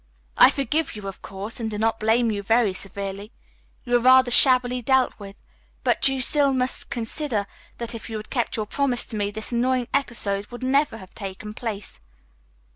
I forgive you, of course, and do not blame you very severely. You were rather shabbily dealt with, but still you must consider that if you had kept your promise to me this annoying episode would never have taken place.